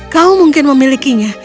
kau mungkin memilikinya